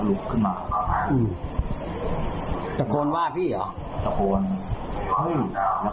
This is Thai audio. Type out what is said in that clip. แล้วแต่เตะทีเดียว